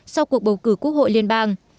sau cuộc bầu cử quốc hội liên bang